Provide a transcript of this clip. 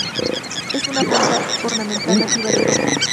Es una planta ornamental nativa de Europa.